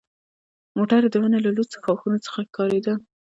موټر یې د ونو له لوڅو ښاخونو څخه ښکارېده.